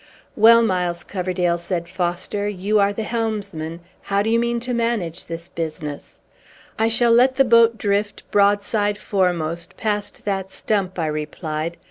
"Well, Miles Coverdale," said Foster, "you are the helmsman. How do you mean to manage this business?" "I shall let the boat drift, broadside foremost, past that stump," I replied.